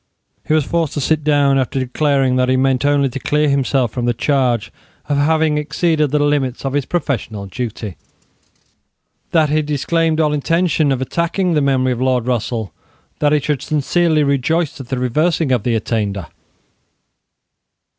He was forced to sit dorm, after declaring that he meant only to clear himself from the charge of having exceeded the limits of his professional duty; that he disclaimed all intention of attacking the memory of Lord Russell; and that he should sincerely rejoice at the reversing of the attainder.